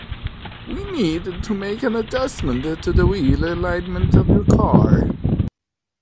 We need to make an adjustment to the wheel alignment of your car.